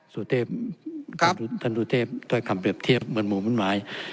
สุเตภท่านสุเตภต้อยคำเปรียบเทียบเหมือนหมูเหมือนหมา